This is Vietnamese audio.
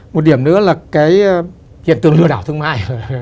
một điểm nữa là cái hiện tượng lừa đảo thương mại